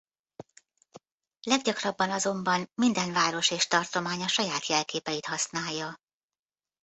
Leggyakrabban azonban minden város és tartomány a saját jelképeit használja.